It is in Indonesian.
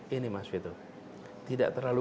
ini mas vito tidak terlalu